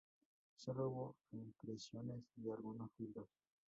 Solo hubo reimpresiones de algunos libros.